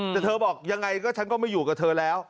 แต่เธอบอกยังไงก็ฉันก็ไม่อยู่กับเธอแล้ว